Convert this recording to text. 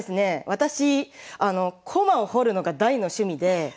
私駒を彫るのが大の趣味で。